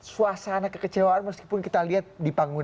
suasana kekecewaan meskipun kita lihat di panggung